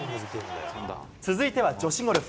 続いては女子ゴルフ。